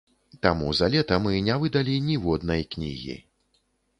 Таму за лета мы не выдалі ніводнай кнігі.